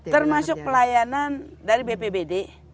termasuk pelayanan dari bpbd